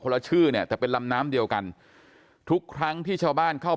ละชื่อเนี่ยแต่เป็นลำน้ำเดียวกันทุกครั้งที่ชาวบ้านเข้า